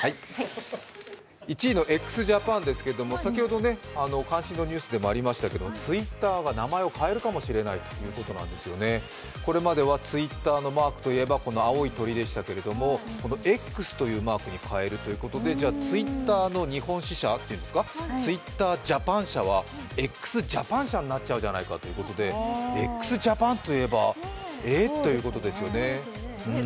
１位のＸＪＡＰＡＮですけど先ほど関心度ニュースでもありましたけどＴｗｉｔｔｅｒが名前を変えるかもしれないということでこれまではＴｗｉｔｔｅｒのマークといえば、この青い鳥でしたが、Ｘというマークに変えるということで、Ｔｗｉｔｔｅｒの日本支社、ＴｗｉｔｔｅｒＪａｐａｎ社はＸＪＡＰＡＮ社になっちゃうじゃないかということで、ＸＪＡＰＡＮといえば、えっということですよね。